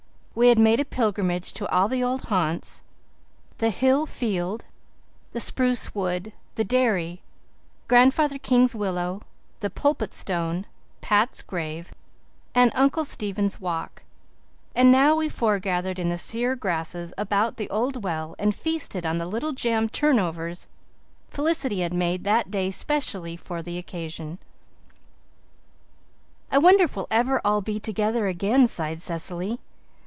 We had made a pilgrimage to all the old haunts the hill field, the spruce wood, the dairy, Grandfather King's willow, the Pulpit Stone, Pat's grave, and Uncle Stephen's Walk; and now we foregathered in the sere grasses about the old well and feasted on the little jam turnovers Felicity had made that day specially for the occasion. "I wonder if we'll ever all be together again," sighed Cecily.